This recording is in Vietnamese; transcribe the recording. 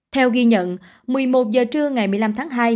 theo ghi nhận một mươi một h trưa ngày một mươi năm tháng hai